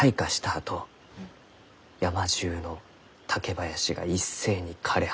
あと山じゅうの竹林が一斉に枯れ果てる。